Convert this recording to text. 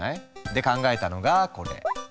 で考えたのがこれ。